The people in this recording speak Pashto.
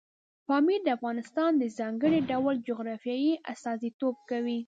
پامیر د افغانستان د ځانګړي ډول جغرافیې استازیتوب کوي.